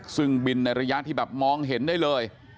ซึ่งบินในระยะที่แบบมองเห็นได้เลย